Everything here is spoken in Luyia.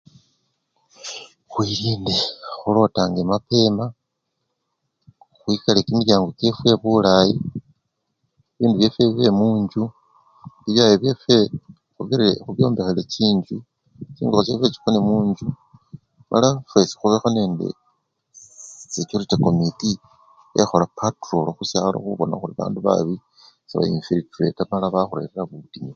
Khwilinde khulotange mapema, khwikale kimilyango kyefwe bulayi, bibindu byefwe bibe munjju, bibyayo byefwe khubyombekhele chinjju, chingokho chefwe chikone munjju mala fwesi khubekho nende sisis! sechurity kommiti ekhola patrolo khusyalo khubona khuri bandu babi seba! sebecha mala bakhurerera butinyu.